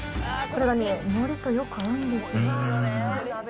これがのりとよく合うんです。